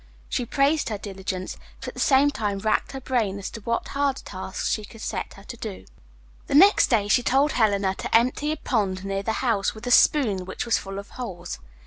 She praised her diligence, but at the same time racked her brain as to what harder task she could set her to do. The next day she told Helena to empty a pond near the house with a spoon which was full of holes.